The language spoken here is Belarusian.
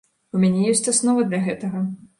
У мяне ёсць аснова для гэтага.